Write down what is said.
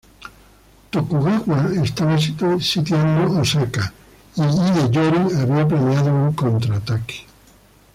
Tokugawa estaba sitiando Osaka, y Hideyori había planeado un contraataque.